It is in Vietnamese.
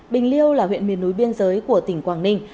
bình liêu là huyện miền núi biên giới của tỉnh quảng ninh